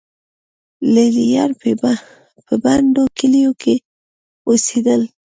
لې لیان په بندو کلیو کې اوسېدل